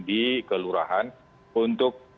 di kelurahan untuk